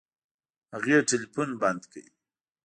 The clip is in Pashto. هغې ټلفون بند کړ.